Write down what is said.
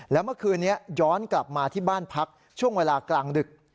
แล้วเมื่อคืนนี้ย้อนกลับมาที่บ้านพักช่วงเวลากลางดึก